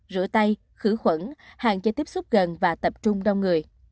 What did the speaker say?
rửa tay khử khuẩn hạn chế tiếp xúc gần và tập trung đông người